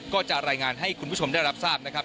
ก็จะรายงานให้คุณผู้ชมได้รับทราบนะครับ